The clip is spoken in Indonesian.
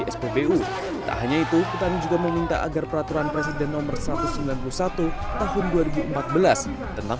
spbu tak hanya itu petani juga meminta agar peraturan presiden nomor satu ratus sembilan puluh satu tahun dua ribu empat belas tentang